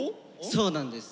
そうなんです。